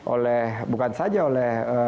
oleh bukan saja oleh